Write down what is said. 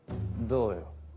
どうよ？